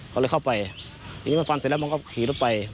เขาเลยเข้าไปอีกนิดนึงมันฟันเสร็จแล้วมันก็ขีดลงไป